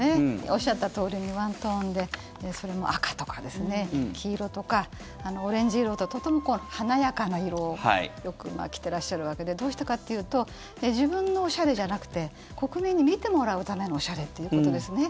おっしゃったとおりにワントーンでそれも赤とか黄色とかオレンジ色ととても華やかな色をよく着ていらっしゃるわけでどうしてかっていうと自分のおしゃれじゃなくて国民に見てもらうためのおしゃれということですね。